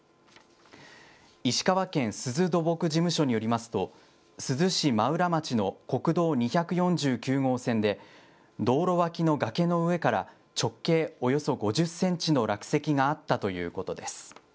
石川県珠洲土木事務所によりますと、珠洲市真浦町の国道２４９号線で、道路脇の崖の上から、直径およそ５０センチの落石があったということです。